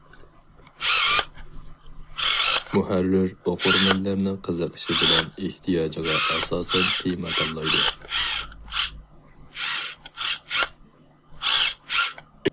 مۇھەررىر ئوقۇرمەنلەرنىڭ قىزىقىشى بىلەن ئېھتىياجىغا ئاساسەن تېما تاللايدۇ.